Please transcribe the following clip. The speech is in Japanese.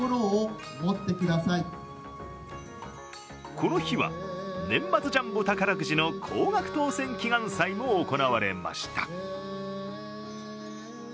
この日は年末ジャンボ宝くじの高額当せん祈願祭も行われました。